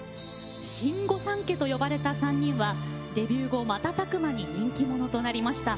新御三家と呼ばれた３人はデビュー後瞬く間に人気者となりました。